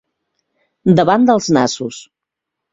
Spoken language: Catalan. Davant dels nassos.